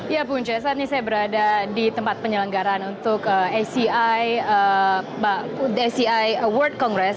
ya bung jasa ini saya berada di tempat penyelenggaraan untuk aci world congress